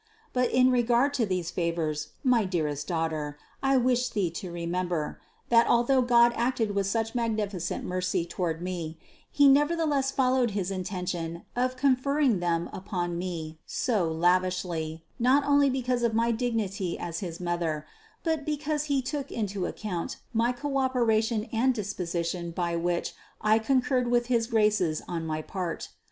But in regard to these favors, my dearest daughter, I wish thee to remember, that al though God acted with such magnificent mercy toward me, He nevertheless followed his intention of conferring them upon me so lavishly not only because of my dignity as his Mother, but because He took into account my co operation and disposition by which I concurred with his graces on my part.